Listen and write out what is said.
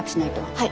はい。